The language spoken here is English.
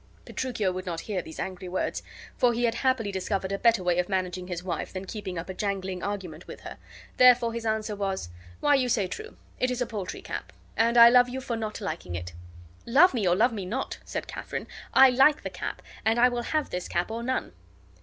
Petruchio would not hear these angry words, for he had happily discovered a better way of managing his wife than keeping up a jangling argument with her; therefore his answer was: "Why, you say true; it is a paltry cap, and I love you for not liking it." "Love me, or love me not," said Katharine, "I like the cap, and I will have this cap or none."